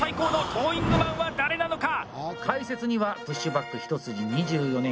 果たして解説にはプッシュバック一筋２４年。